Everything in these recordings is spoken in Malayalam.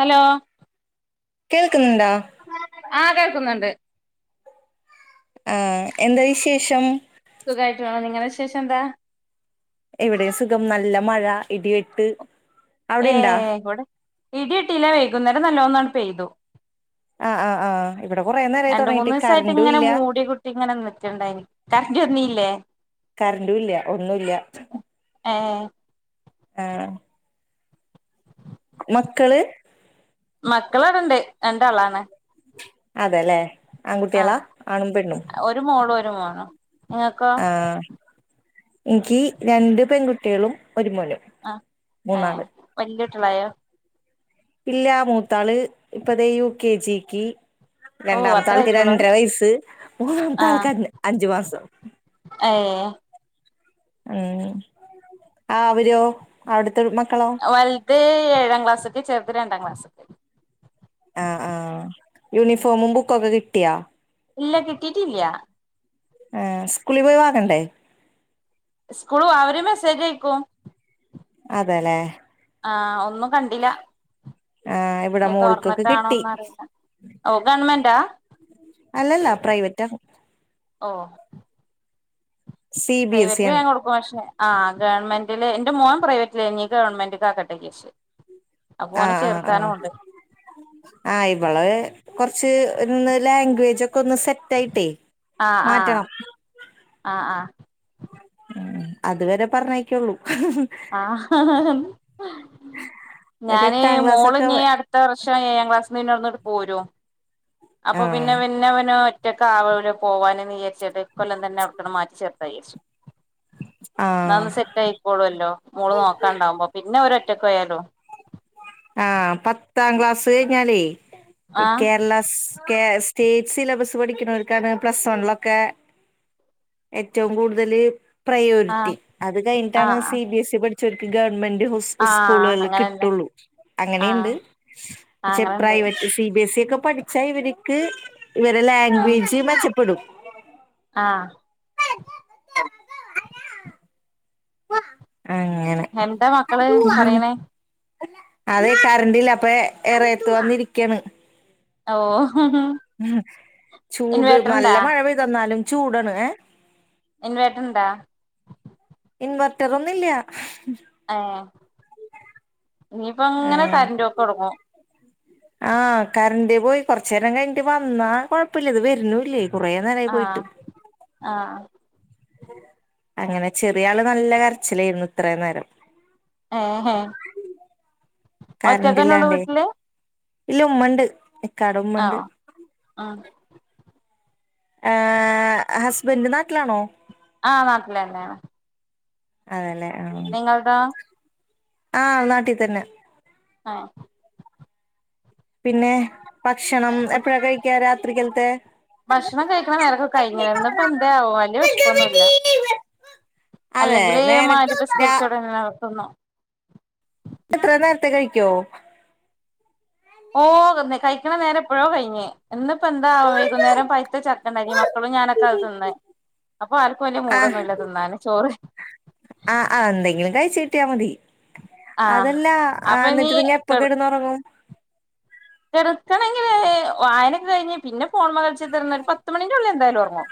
ഹലോ കേൾക്കുന്നുണ്ടാ ആഹ കേൾക്കുന്നുണ്ട് ആ എന്താ വിശേഷം സുഖമായിട്ട് പോണ് നിങ്ങളെ വി ശേഷം എന്താ എവിടെയും സുഖം നല്ല മഴ ഇടിവെട്ട് ഏ അവിടെണ്ടാ കൂടെ ഇടി വെട്ടില്ല വൈകുന്നേരം നല്ലോണംന്നാണ്ട്പെയ്തു ആ് ആ ആ് ഇവിടെ കുറെേ നേരമായി രണ്ട് തുടങ്ങിട്ട് മൂന്ന് ദിവസായിട്ട് കറണ്ടും ഇങ്ങനെ ഇല്ല മൂടി കുട്ടി ഇങ്ങനെ നിക്കുണ്ടായിന് കറണ്ട് വന്നിലെ കറണ്ടും ഇല്ല ഒന്നും ഇല്ല ഏഹ് ആഹ് മക്കള് മക്കളിവിടൊണ്ട് രണ്ടാളാണ് അതേല്ലെ ആൺകുട്ടികളാ ആഹ് ആണും പെണ്ണും ഒരു മോളും ഒരു മോനും നിങ്ങക്കോ ആഹ് എനിയ്ക്ക് രണ്ട് പെൺകുട്ടികളും ഒരു മോനും ആഹ് ഏ മൂന്നാള് വല്ലിയിട്ടിയാളായോ ഇല്ലാ മൂത്താള് ഇപ്പ ദേ യു കെ ജിക്ക് ഓഹ് അത്രേ രണ്ടാമത്താൾക്ക് ആയിട്ടുള്ളൂ രണ്ടര വയസ് മൂന്നാമത്താൾക്ക് അ അഞ്ചു മാസം ഏ ഉം ആ അവരോ അവിടുത്തെ മക്കളോ വലുത് ഏഴാം ക്ലാസ് ല് ചെറുത് രണ്ടാം ക്ലാസ് ല് ആഹ് ആഹ് യൂണിഫോമും ബുക്കൊക്കെ കിട്ടിയാ ഇല്ല കിട്ടീട്ടില്യ ആഹ് സ്കൂളിൽ പോയി വാങ്ങണ്ടേ സ്കൂള് അവരു മെസ്സേജയക്കും അതേല്ലെ ആഹ് ഒന്നും കണ്ടില്ല ആഹ് ഇവിടെ ഇനി മോൾക്കൊക്കെ കിട്ടി തൊറന്നിട്ടാണോന്നറിയില്ല ഓ ഗവൺമെന്റാ അല്ലല്ല പ്രൈവറ്റാ ഓ C B S E private ആണ് ഞാൻ കൊടു ആ ഗവൺമെന്റില് എന്റെ മോൻ പ്രൈവറ്റ് ആയി നി ഇനി ഗവൺമെന്റ് ആക്കെട്ടെ ജാരിച്ചു ആഹ് ആഹ് ആഹ് ആഹ് ഇവള് കൊറച്ച് ഒന്ന് ലാംഗ്വേജൊക്കെ ഒന്ന് സെറ്റായിട്ടെ ആ ആ മാറ്റണം ആ ആ അതുവരെ പറഞ്ഞയക്കുള്ളൂ ഒരു ഞാനെ എട്ടാം ക്ലാസ് ഒക്കെ മോളിനി അടു ത്ത വർഷം ഏഴാം ക്ലാസ്ന്ന് പിന്നെ അവിടന്നിങ്ങോട്ട് പോരും അപ്പൊ ആഹ് പിന്നെ പിന്നവന് ഒറ്റ ഒറ്റാക്കാവൂലെ പോവാന് വിചരിച്ചിട്ട് ഇക്കൊല്ലം തന്നെ അവടുന്ന് മാറ്റി ചേർത്ത വിചാരിച്ച് ആഹ് അതാവുമ്പോസെറ്റ് ആയിക്കോളൂല്ലോ മോള് നോക്കാൻണ്ടാവുമ്പോ പിന്നെ ഓര് ഒറ്റക്ക് പോയാലും ആഹ് പത്താം ക്ലാസ് കഴിഞ്ഞാലേ ആ കേരള സ് കേ സ്റ്റേറ്റ് സിലബസ് പഠിക്കുന്നവരിക്കാണ് പ്ലസ് വണ്ണൊക്കെ ഏറ്റവും കൂടുതല് ആ പ്രയോരിറ്റി അത് ആ കഴിഞ്ഞിട്ടാണ് സി ബി എസ് ഇ പഠിച്ചവരിക്ക് ഗവൺമെന്റ് സ് ആ സ്കൂളുകളില് അങ്ങനെന്നെ കിട്ടുള്ളൂ ആ അങ്ങനെയൊണ്ട് ആ പക്ഷെ അങ്ങനെണ്ട് പ്രൈവ സി ബി എസ് ഒക്കെ പഠിച്ചാ ഇവരിക്ക് ഇവരുടെ ആഹ് ലാംഗ്വേജ് മെച്ചപ്പെടും ആഹ് അങ്ങന എന്താ മക്കള് പറയണേ അതെ കറണ്ടില്ല അപ്പെ ഇറയത്ത് വന്നിരിക്കണ് ഓഹ് ചൂട് നല്ല മഴ പെയ്തന്നാലും ചൂടാണ് ഏഹ് ഇൻവേട്ടർണ്ടാ ഇൻവെർട്ടർ ഒന്നുല്ല ഏഹ് ആ ഇനിയിപ്പങ്ങനെ കരണ്ടോക്കുടങ്ങും ആഹ് കറണ്ട് പോയി കൊറച്ചേരം കഴിഞ്ഞിട്ട് വന്നാ കൊയപ്പല്ല ഇത് വരുന്നുല്ലേ ആഹ് ആഹ് അങ്ങനെ ചെറിയാള് നല്ല കരച്ചിലെരുന്നു ഇത്ര നേരം. ഏഹ് കരന്റ് ഒറ്റക്കന്നെള്ളൂ ഇല്ലാണ്ടേ വീട്ടില് ഇല്ല ഉമ്മണ്ട്. ആഹ് ആഹ് ഏഹ് ഹസ്ബൻഡ് നാട്ടിലാണോ? ആഹ് നാട്ടിലന്നെയാണ്. അതെല്ലേ ആഹ് ആഹ് ആഹ് നാട്ടീ തന്നെ ഏഹ് പിന്നെ ഭക്ഷണം എപ്പഴാ കഴിക്ക രാത്രിക്കല്ത്തെ ഭക്ഷണം കഴിക്കണ നേരക്കെ കഴിഞ്ണ് ഇന്ന്പ്പാന്തേവോ വല്യ വിഷപ്പൊന്നുല്ല. അതെ അല്ലെങ്കില് നേര രാ മഗ്രിബ്സ്കരിച്ചോടെന്നെ തിന്നു. അത്ര നേരത്തെ കഴിക്കോ? ഓ തിന്ന് കഴിക്കണ നേര എപ്പോഴോ കയിഞ് ഇന്നിപ്പോ എന്താ വൈകുന്നേരം പൈത്ത ചക്കണ്ടായിനി മക്കളും ഞാനൊ അത് നിന്നെ അപ്പൊ ആർക്കും വെല്യ ആഹ് മൂടൊന്നുല്ല തിന്നാന് ചോറ് ആഹ് അ എന്തെങ്കിലു ക യിച് കിട്ടിയാ മതി ആഹ് അപ്പൊ ഇനി അതല്ലന്നിട്ട് നിങ്ങ എപ്പൊ കെടന്നുറങ്ങും എടുക്കണെങ്കില് വായനൊക്കെ കയിഞ് പിന്നെ ഫോൺ മ്മകൾച്ച് തിര്ന്ന് ഒരു പത് പത്ത് മണിൻ്റെ ഉള്ളി എന്തായാലും ഒർങ്ങും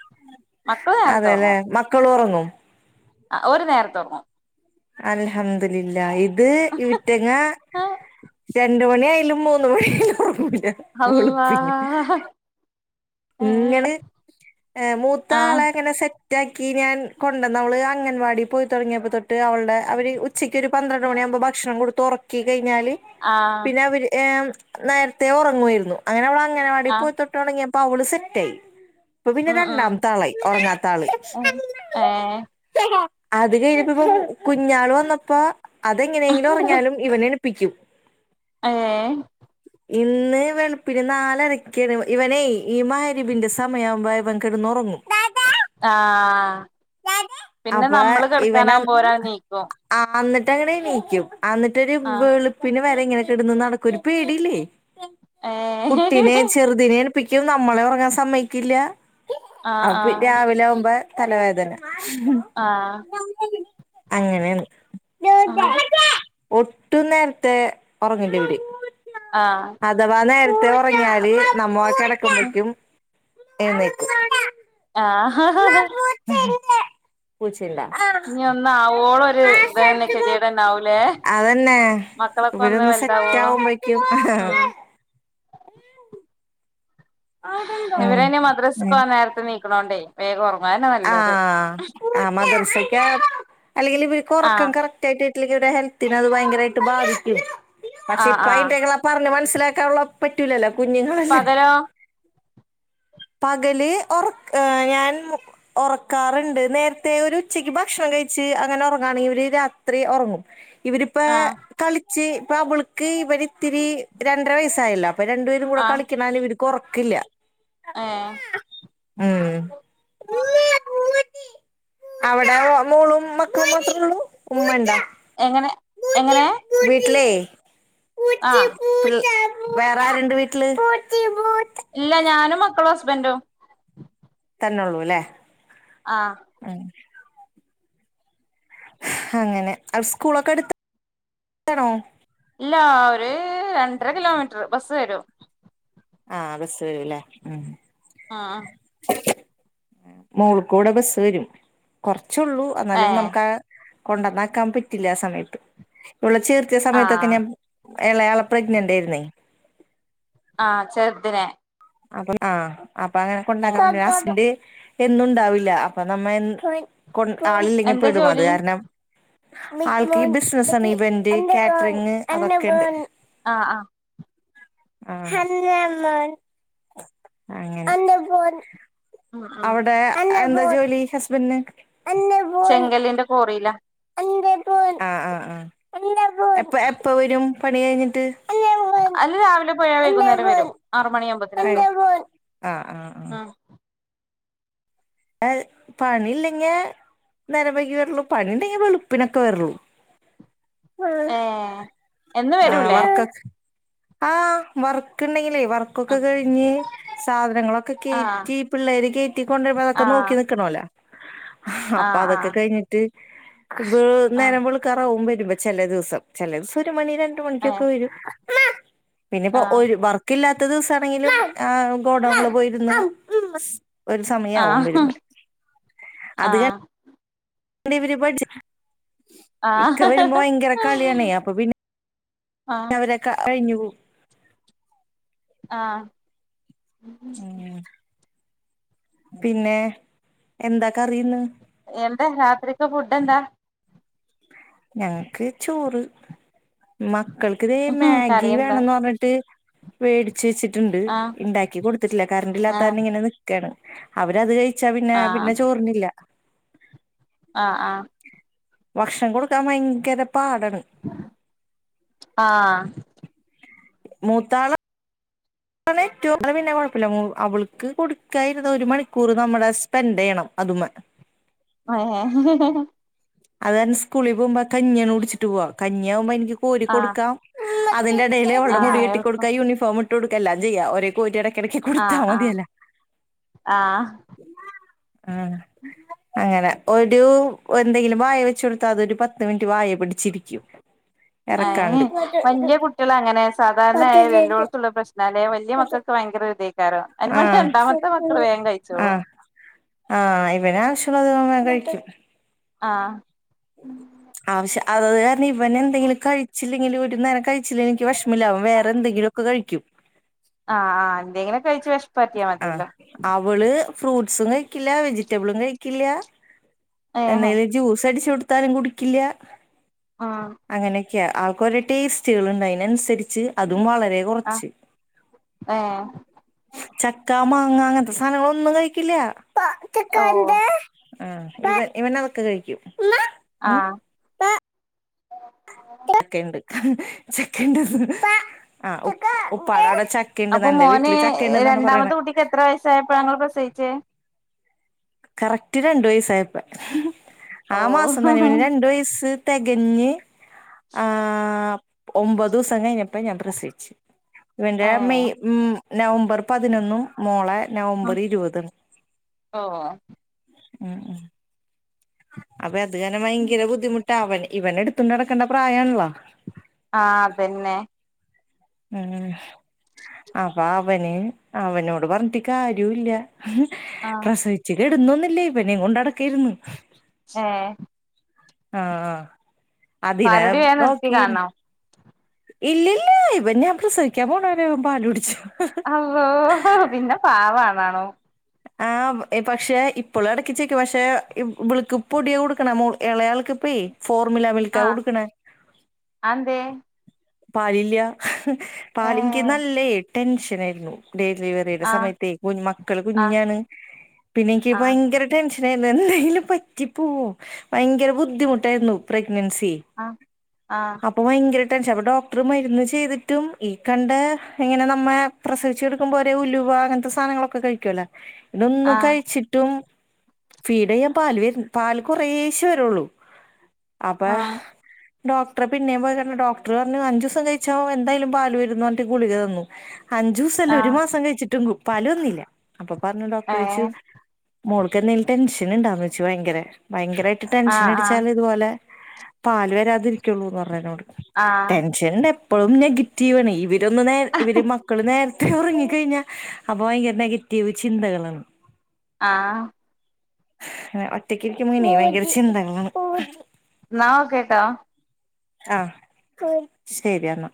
മക്കൾ നേരത്തെ ഒർങ്ങും. മക്കളുറങ്ങും. അ ഒര് നേരതെറങ്ങും. അൽഹംദുലില്ലാഹ് ഇത് ഇറ്റങ്ങ രട് രണ്ട് മണി ആയാലും മൂന്ന് മണിയായാലും ഒർങ്ങൂല വെളുപ്പിന് അള്ളാഹ് ഏഹ് നിങ്ങള് ഏ ആഹ് മൂത്താളെ എങ്ങനെ സെ റ്റാക്കി ഞാൻ കൊണ്ടുവന്നവള് അംഗൻവാടി പോയി തുടങ്ങിയപ്പോ തൊട്ട് അവളുടെ അവര് ഉ ച്ചക്ക് ഒരു പന്ത്രണ്ട്ണിയാവുമ്പോ ഭക്ഷണം കൊടുത്ത് ഒറ ക്കി കയിഞ്ഞാല് ആഹ് പിന്നെ അവര് ഏഹ് നേരത്തെ ഉറങ്ങുവായിരുന്നു. അങ്ങനെ അവള് അങ്ങനവാടി ആഹ് പോയിത്തൊട്ടൊടങ്ങിയപ്പോ അവള് സെറ്റായി. അപ്പൊ പിന്നെ ഉം ഉം രണ്ടാമത്താളായി ഒറങ്ങാത്താള്. ഏഹ് അത് കഴിഞ്ഞപ്പോ ഇപ്പ കുഞ്ഞാൾ വന്നപ്പോ അതെങ്ങനെങ്കിലും ഒറങ്ങ്യാലും ഇവനെണീപ്പിക്കും. ഏഹ് ഇന്ന് ന്ന് വെളുപ്പിന് നാലരക്ക് ഇവനേ ഈ മരിവിന്റെ സമയാവുമ്പ ഇവൻ കിടന്നുറങ്ങും. ആഹ് പിന്നെ നമ്മള് കെടക്കാനാകുമ്പോരാ നീക്കും ആ അന്നിട്ട് അങ്ങനെണീക്കും അന്നിട്ടൊരു ആഹ് വെളുപ് പിന്നെ വരെ ഇങ്ങനൊക്കെടുന്ന് നടക്കും ഒരു പേടില്ലേ ഏഹ് കുട്ടിനെച്ച് ചെറുദിനെ എണിപ്പിക്കും നമ്മളെ ഉറങ്ങാൻ സമ്മയ്ക്കില്ല അപൊ ആഹ് രാവിലെ ആവുമ്പോ തലവേദന ആഹ് അങ്ങനേണ് ആഹ് ഒട്ടും നേരത്തെ ഒറങ്ങില്ല ഇവര്. ആഹ് അഥവാ നേരത്തെ ഉറങ്ങിയാല് നമ്മക്കെടക്ക്മ്പക്കും എഴ്ന്നേക്കും. ആഹ് ഹാ ഹാ ഹാ പ്പുത്തിരില്ല പൂച്ചേണ്ടാ ഇനി ഒന്നാവോളം ഒരു ഇതന്നെ കെതിയേടന്നെ ആവൂലേ അതന്നെ മക്കളൊക്കെ ഒന്ന് ഇവരൊന്ന് സെറ്റ് വലുതാവോളും ആവുമ്പോഴക്കും ഉം ഇവര്ന്ന മദ്രസക്ക് ഉം പോണോണ്ടേ നേരത്തെ നീക്കണോണ്ടേ വേഗം ഒറങ്ങും നല്ലത് ആഹ് ആ മദ്രസക്കാ അല്ലെങ്കിൽ ഇവര്ക്കൊറക്കം ആഹ് കറക്- ട്ടടെ ഹെൽത്തിന അത് ഭയങ്കരമായിട്ട് ബാധിക്കും പക്ഷെ ആഹ് ഇപ്പ ആഹ് അ പറഞ്ഞ് മനസ്സിലാക്കാനുള്ള പറ്റൂലല്ലോ കുഞ്ഞുങ്ങളല്ലേ പകലോ പകല് ഒറക് ഞാൻ ഉറക്കാറുണ്ട് നേരത്തെ ഒരു ഉച്ചക്ക് ഭക്ഷണം കഴിച്ച് അങ്ങനെ ഒറങ്ങാണെങ്കിൽ ഒരു രാത്രി ഉറങ്ങും ഇവരിപ്പ ആഹ് കളിച്ച് ഇപ്പ അവള്ക്ക് ഇവരി ഇത്തിരി രണ്ടര വയസ്സായല്ലോ അപ്പൊ രണ്ടു പേരും കൂടെ ആഹ് കളിക്കണാരണം ഇവർക്കൊറക്കില്ല ഏഹ് ഉം അവിടെ മോളും മക്കളും മാത്രമേ ഉള്ളൂ ഉമ്മ ണ്ടാ? എങ്ങനെ എങ്ങനെ വീട്ടിലേ ആഹ് പി വേറെ ആരുണ്ട് വീട്ടില് ഇല്ല ഞാനും മക്കളും ഹസ്ബൻറും തന്നൊള്ളൂ ല്ലേ ആഹ് ആഹ് അങ്ങനെ അവ ഗസ്കൂളൊക്കെ അടുത്താണോ ഇല്ല ഒരു രണ്ടര കിലോമീറ്റർ ബസ്സ് വരും ആഹ് ബസ്സ് വരുല്ലേ ഉം ആഹ് മോൾക്കൂടെ ബസ് വരും കുറച്ചൊള്ളൂ എന്നാലും ഏഹ് നമുക്ക് ആ കൊണ്ടുവന്നാക്കാൻ പറ്റില്ല ആ സമയത്ത് ഇവളെ ചേർത്തിയ സമയത്തൊക്കെ ആഹ് ഞാൻ എളെയാളെ പ്രഗ്നന്റ് ആയിരുന്നേ ആഹ് ചെറുതിനെ അപ്പം ആ അപ്പ അങ്ങനൊക്കെ ഉണ്ടാക്ക ഏഹ് [unintelligible] എന്നുംണ്ടാവില്ല അപ്പൊ നമ്മ എ കൊൺ ആളില്ലെങ്കി എന്താ പെടും അത് ജോലി കാരണം ആൾക്ക് ഈ ബിസിനസണ് ഇവന്റ് കാറ്ററിങ് അതൊക്കെണ്ട് ആഹ് ആഹ് ആഹ് അങ്ങനെ ഉം ഉം അവിടെ എന്താ ജോലി ഹസ്ബന്റിന് ചെങ്കലിന്റെ കോറിയില ആഹ് ആഹ് ആഹ് എപ്പ എപ്പ വരും പണി കഴിഞ്ഞിട്ട് അയള് രാവിലെ പോയ വൈകുന്നേരം വരും ആറ് മണിയാകുമ്പോത്തെനെത്തും ആ ആ ഉം എ പണില്ലെങ്കി നേരം വൈകിയേവരൂള്ളൂ പണി ഉണ്ടെങ്കി വളുപ്പിനൊക്കെ വരുള്ളൂ ആഹ് ഏ എന്ന് ആഹ് വരൂലേ വർക്കക് ആഹ് വർക്ക് ഉണ്ടെങ്കിലേ വർക് ക്കൊക്കെ കഴിഞ്ഞ് സാധനങ്ങളൊക്കെ ആ ആ കയറ്റി പിള്ളേര് കയറ്റി കൊണ്ടരുമ്പോ ആ പോല ആ അപ്പൊ ആ അതൊക്കെ കഴിഞ്ഞിട്ട് ആ നേരം വെളുക് ക്കാറാവുംവരുമ്പോ ചില ദിവസം ചില ദിവസം ഒരു മണി രണ്ട് ഏ മണിക്കൊക്കെ വരും പിന്നെ ആ [unintelligible] വർക്കില്ലാത്ത ദിവസ ആണെങ്കിലും ആ ഗോഡൗണില് പോയിരുന്ന് ഒരു സമയാവും വരുമ്പോ ആഹ് പിന്നെ വര് ബഡ്ജ് ആ ഇക്ക വരുമ്പോ ഭയങ്കര കളിയാണെ അപ്പ പിന്നെ ആ അവരെ [unintelligible] അഴിഞ്ഞു പോ ആഹ് ഉം പിന്നെ എന്ത കറി ഇന്ന് എന്താ രാത്രിക്ക്‌ ഫുഡ് എന്താ ഞങ്ങക്ക് ചോറ് മക്കൾക്കിതേ കറി മാഗി എന്താ വേണന്ന് പറഞ്ഞിട്ട് മേടിച്ച് വെച്ചിട് ണ്ട് ആ ഉണ്ടാക്കി കൊടുത്തിട്ടില്ല കറണ്ട് ഇല്ലാത്ത ആ കാരണം ഇങ്ങനെ നിക്കാണ് അവരത് കഴി ച്ചാ പിന്നെ ആ പിന്നെ ചോറ്തിന്നില്ല ആഹ് ആഹ് ഭക്ഷണം കൊടുക്കാൻ ഭയങ്കര പാടാണ് ആഹ് മൂത്താആള ഏറ്റവും അത് പിന്നെ കുഴപ്പില്ല അവൾക്ക് കൊടുക്കാനിരുന്നാൽ ഒരു മണിക്കൂർ നമ്മുടെ സ്പെൻഡ് ചെയ്യണം അതുമ്മെ ഹേ ഹേ അത് കാരണം സ്കൂളിൽ പോകുമ്പോ കഞ്ഞീആണ് കുടിച്ചിട്ട് പോവാ കഞ്ഞിയാകുമ്പ എനിക്ക് കോരി ആ കൊടുക്കാം അതിന്റെ ഇടയിൽ ആ അവൾടെ മുടി കെട്ടി എളുപ്പം കൊടുക്കാ യൂണിഫോം ഇട്ട് കൊടുക്ക എല്ലാം ചെയ്യാം ഒരെ കോര്നടെ ഇടക്കിടക്ക് ആ കൊടുത്ത ആ മതിയല്ലോ ആ ആഹ് അങ്ങനെ ഒരു എന്തെങ്കിലും വായ വെച്ച് കൊടുത്താ അത് ഒരു പത്ത് മിനിറ്റ് വായെ പിടിച്ചിരിക്കും ഇറക്കാണ്ട് വല്യ കുട്ടികള് അങ്ങനെ സാധാരണയായ എല്ലോടത്തുള്ള പ്രശ്നല്ലേ വല്യ മക്കൾക്ക് ഭയങ്കര ഇതെ [unintelligible] അതിന് വേണ്ടി ആഹ് രണ്ടാമത്തെ മക്കള് വേഗം കഴിച്ചോളൂ ആഹ് ആഹ് ഇവന് ആവശ്യമുള്ളത് ഇവൻ വേഗം കഴിക്കും ആഹ് ആവശ്യം അതത് കാരണം ഇവനെ എന്തെങ്കിലും കഴിച്ചില്ലെങ്കിൽ ഒരു നേരം കഴിച്ച- എനിക്ക് വിഷമില്ല അവൻ വേറെന്തങ്കിലും ഒക്കെ കഴിക്കും. ആഹ് ആഹ് എന്തെങ്കിലും കഴിച്ച് വിഷപ്പ് മാറ്റിയാ ആ മതിയല്ലോ അവള് ഫ്രൂട്ട്സും കഴിക്കില്ല വെജിറ്റബിളും കഴിക്കില്ല ഏഹ് എന്തെലും ജ്യൂസ് അടിച്ച് കൊടുത്താലും കുടിക്കില്ല ആഹ് അങ്ങനെയൊക്കെയാ ആൾക്കൊരു ടേസ്റ്റുകൾണ്ട് അയിനനുസരിച്ച് അതും വളരെ കുറച്ച് ആഹ് ചക്ക മാങ്ങ അങ്ങനത്തെ സാധനങ്ങളൊന്നും കഴിക്കില്ല. ഓഹ് ആ ഇവന് അതൊക്കെ കഴിക്കും. ഉമ്മ ആഹ് ചക്ക ഉണ്ട് ചക്കണ്ട് ആ ഉ ഉപ്പടടെ ചക്ക അപ്പൊ മോന് രണ്ടാമത്തെ കുട്ടിക്ക് എത്ര വയസ്സായപ്പോ നിങ്ങൾ പ്രസവിച്ചേ? കറക്റ്റ് രണ്ടു വയസ്സായപ്പ ആ മാസം ഓഹ് തന്നെ രണ്ടു വയസ്സ് തികഞ്ഞ് ആ [inaudible] ഒമ്പത് ദിവസം കഴിഞ്ഞപ്പ ഞാൻ പ്രസവിച്ചു ഇവന്റെ ഏഹ് മെയ് ഉം നവംബർ പതിനൊന്നും മോളെ നവംബർ ഇരുപതും ഓഹ് ഉം ഉം അപ്പൊ അത് കാരണം ഭയങ്കര ബുദ്ധിമുട്ട് അവൻ ഇവനെ എടുത്തു നടക്കേണ്ട പ്രായണല്ലോ. ആഹ് അതന്നെ ഉം അപ്പൊ അവന് അവനോട് പറഞ്ഞിട്ട് കാര്യവും ഇല്ല ആഹ് പ്രസവിച്ച് കിടുന്നൊന്നില്ലേ ഇവനെ കൊണ്ട് നടക്കായിരുന്നു. ഹേയ് ആഹ് ആ അതിനെ പാലുടി വേം നിർത്തി നോക്കിനി കാണണം ഇല്ലില്ല ഇവന് ഞാൻ പ്രസവിക്കാൻ പോണ വരെ പാല് കുടിച്ചു. അള്ളോ പിന്നെ പാവാണാണു ആഹ് പക്ഷെ ഇപ്പോളും ഇടക്കിച്ചേക്കും പക്ഷെ ഇബളുക്ക് പൊടിയാ കൊടുക്കണ ഇളയാൾക്ക് ഇപ്പേ ഫോർമിലാ മിൽക്കാ കൊടുക്കണേ. അഹ എന്തേ? പാലില്ല. പാല് ഇനിക്ക് ഏഹ് നല്ല ടെൻഷന ആയിരുന്നു. ഡെലിവറിയുടെ ആഹ് സമയത്തേ മക്കള് ആഹ് കുഞ്ഞാണ് പിന്നെ എനിക്ക് ഭയങ്കര ടെൻഷനായിരുന്നു. എന്തെങ്കിലും പറ്റി പോവുവോ? ഭയങ്കര ബുദ്ധിമുട്ടായിരുന്നു പ്രഗ്നൻസി. ആഹ് ആഹ് അപ്പം ഭയങ്കര ടെൻഷൻ ഡോക്ടർ മരുന്ന് ചെയ്തിട്ടും ഈ കണ്ട ഇങ്ങനെ നമ്മ പ്രസവിച്ച് കെടക്കുമ്പോ ഒരേ ഉലുവ അങ്ങനത്തെ സാധനങ്ങളൊ കഴിക്കുവല്ലോ ഇതൊന്നും ആഹ് കഴിച്ചി വും ഫീഡ് ചെയ്യാൻ പാല് വരു പാല് കുറേശേ വരുള്ളൂ. അപ്പ ആഹ് ആഹ് ഡോക്ടർ പിന്നേ പോയി കണ്ടു. ഡോക്ട ർ പറഞ്ഞു അഞ്ചു ദിവസം കഴിച്ചാ എന്തായാലും പാല് വരുമെന്ന് പറഞ്ഞ് ഗുളിക തന്നു. അഞ്ച് ദി ല്ല ഒരു ആഹ് മാസം കഴിച്ചിട്ടും പാലു വന്നില്ല. അപ്പൊ പറഞ്ഞു ഡോക്ടർ ചോദിച്ചു ഏഹ് മോൾക്ക് എന്തെങ്കിലും ടെൻഷൻ ഉണ്ടാന്ന് ചോദിച്ചു. ഭയങ്കര ഭയങ്കരമായിട്ട് ടെൻഷൻ ആഹ് ആഹ് അടിച്ചാല് ഇതുപോലെ- പാല് വരാതിരിക്കുള്ളൂന്ന് പറഞ്ഞ് എന്നോട്. ആ പക്ഷേ എപ്പോഴും നെഗറ്റീവാണ് ഇവരൊന്ന് നേ ഇവർ മക്കൾ നേര ഉറങ്ങിക്കഴിഞ്ഞ അപ്പൊ ഭയങ്കര നെഗറ്റീവ് ചിന്തകളാണ് ആഹ് ഒറ്റക്ക് ഇരിക്കുമ്പ ഇങ്ങനെ ഭയങ്കര ചിന്തകളാണ്. എന്നാ ഓക്കെ കേട്ടോ. ആഹ് ശരിയെന്നാ.